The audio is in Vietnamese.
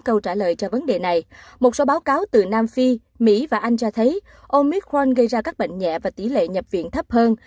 câu trả lời cho vấn đề này một số báo cáo từ nam phi mỹ và anh cho thấy omit khoan gây ra các bệnh nhẹ và tỷ lệ nhập viện thấp hơn